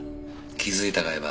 気づいたかい？